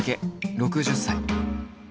６０歳。